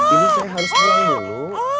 ini saya harus pulang dulu